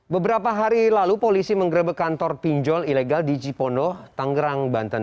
beberapa hari lalu polisi menggrebek kantor pinjol ilegal di cipondo tangerang banten